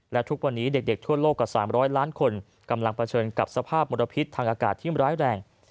และทุกวันนี้เด็กทั่วโลกกว่า๓๐๐ล้านคนกำลังเผชิญกับสภาพมลพิษทางอากาศที่ร้ายแรง